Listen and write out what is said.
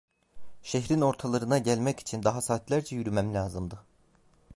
Şehrin ortalarına gelmek için daha saatlerce yürümem lazımdı.